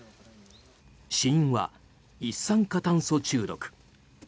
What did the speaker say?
死因は一酸化炭素中毒。